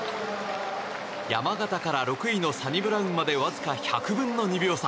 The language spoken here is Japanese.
山縣から６位のサニブラウンまでわずか１００分の２秒差。